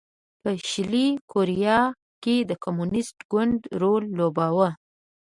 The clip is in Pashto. په شلي کوریا کې د کمونېست ګوند رول لوباوه.